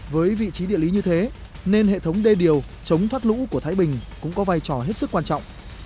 với vị trí địa lý như thế nên hệ thống đê điều chống thoát lũ của thái bình cũng có vai trò hết sức quan trọng